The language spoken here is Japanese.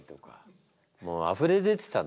もうあふれ出てたんだね。